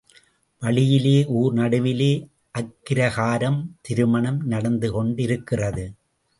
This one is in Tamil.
வழியிலே, ஊர் நடுவிலே அக்கிரகாரம்—திருமணம் நடந்து கொண்டிருக்கிறது.